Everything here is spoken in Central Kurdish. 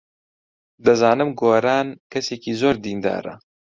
دەزانم گۆران کەسێکی زۆر دیندارە.